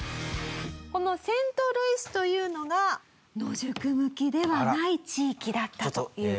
このセントルイスというのが野宿向きではない地域だったという事なんでございます。